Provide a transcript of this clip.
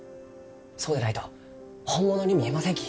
そうでないと本物に見えませんき。